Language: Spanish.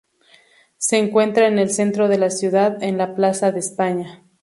Se encuentra en el centro de la ciudad, en la plaza de España.